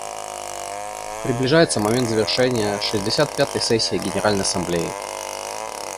Приближается момент завершения шестьдесят пятой сессии Генеральной Ассамблеи.